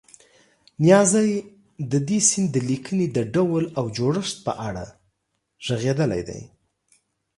نیازی د دې سیند د لیکنې د ډول او جوړښت په اړه غږېدلی دی.